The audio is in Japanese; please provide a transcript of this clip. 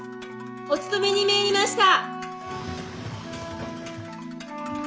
おつとめに参りました。